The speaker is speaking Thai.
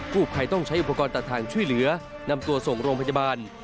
ผู้ภัยต้องใช้อุปกรณ์ตัดทางช่วยเหลือนำตัวส่งโรงพยาบาล